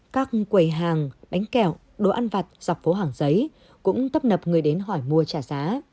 các quầy hàng bánh kẹo đồ ăn vặt dọc phố hàng giấy cũng tấp nập người đến hỏi mua trả giá